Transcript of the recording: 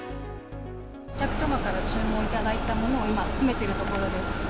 お客様から注文頂いたものを、今、詰めてるところです。